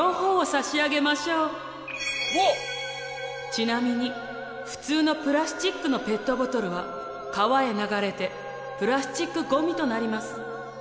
ちなみに普通のプラスチックのペットボトルは川へ流れてプラスチックごみとなります。